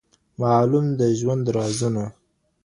معلوم د ژوند رازونه